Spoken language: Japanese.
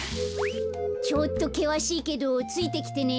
ちょっとけわしいけどついてきてね。